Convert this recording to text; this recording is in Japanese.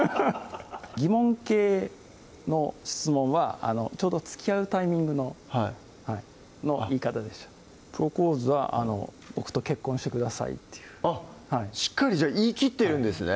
疑問形の質問はちょうどつきあうタイミングの言い方でしたプロポーズは「僕と結婚してください」っていうあっしっかりじゃあ言い切ってるんですね